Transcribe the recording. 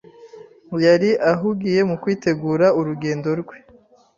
Yari ahugiye mu kwitegura urugendo rwe.